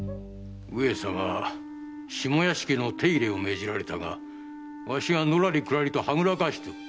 上様は下屋敷の手入れを命じられたがわしがのらりくらりとはぐらかしておる。